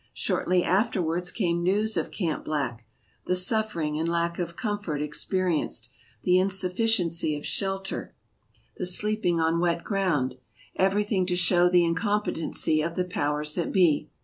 Shortly afterwards came news of Camp Black; the suffering and lack of comfort experienced; the insufficiency of shelter; the sleeping on SKETCHES OF TRAVEL wet ground ; everything to show the incom petency of the powers that be.